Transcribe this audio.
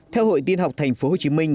theo hội tiên học thành phố hồ chí minh